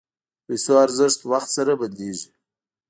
د پیسو ارزښت وخت سره بدلېږي.